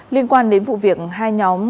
liên quan đến vụ việc hai nhóm